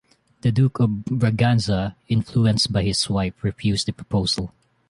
The Duke of Braganza, influenced by his wife, refused the proposal.